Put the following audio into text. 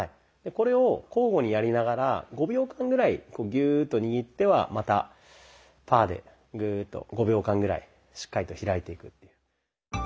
これを交互にやりながら５秒間ぐらいギューッと握ってはまたパーでグーッと５秒間ぐらいしっかりと開いていくっていう。